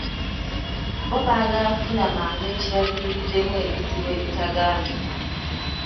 Bo baagala kufuna mangu ekibaviiriddemu ebizibu ebitagambika.